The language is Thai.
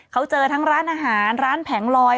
เขาเจอทั้งร้านอาหารร้านแผงลอย